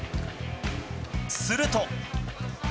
すると。